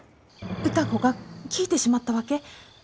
歌子が聞いてしまったわけ。